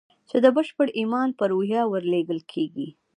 چې د بشپړ ايمان په روحيه ورلېږل کېږي.